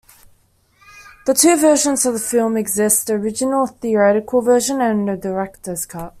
Two versions of the film exist, the original theatrical version and the director's cut.